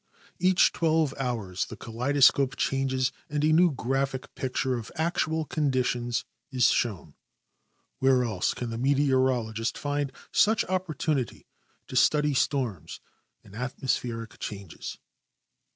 Each twelve hours the kaleidoscope changes and a new graphic picture of actual conditions is shown. Where else can the me teorologist find such opportunity to study storms and atmos pheric changes